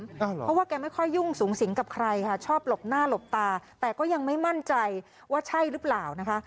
เพราะว่าแกไม่ค่อยยุ่งสูงสิงกับใครค่ะชอบหลบหน้าหลบตาแต่ก็ยังไม่มั่นใจว่าใช่หรือเปล่านะคะ